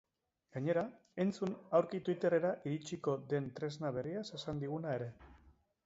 Gainera, entzun aurki twitter-era iritsiko den tresna berriaz esan diguna ere.